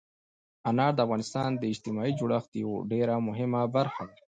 انار د افغانستان د اجتماعي جوړښت یوه ډېره مهمه برخه ده.